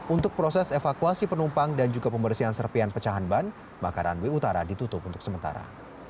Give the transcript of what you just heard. untuk proses evakuasi penumpang dan juga pembersihan serpian pecahan ban maka run w utara ditutup untuk sementara